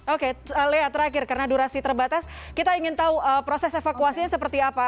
oke lea terakhir karena durasi terbatas kita ingin tahu proses evakuasinya seperti apa